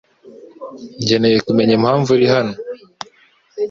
Nkeneye kumenya impamvu uri hano.